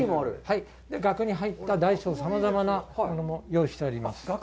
額に入った大小さまざまなものも用意しております。